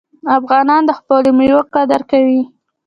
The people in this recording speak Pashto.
افغانان د خپلو میوو قدر کوي.